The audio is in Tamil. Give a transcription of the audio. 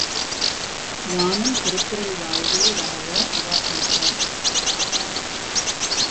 யானும் திருக்குறள் வாழ்வே வாழ அவாக் கொண்டவன்.